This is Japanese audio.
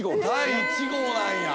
第１号なんや。